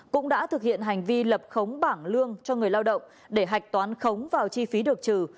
cũng đã thực hiện hành vi lập khống bảng lương cho người lao động để hạch toán khống vào chi phí được trừ